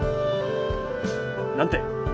何て？